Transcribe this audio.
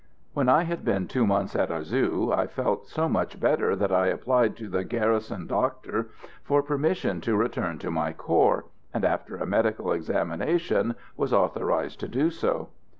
When I had been two months at Arzew I felt so much better that I applied to the garrison doctor for permission to return to my corps, and, after a medical examination, was authorised to do so.